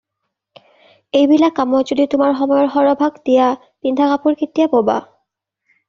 এই বিলাক কামত যদি তোমাৰ সময়ৰ সৰহ ভাগ দিয়া পিন্ধা কাপোৰ কেতিয়া ব'বা?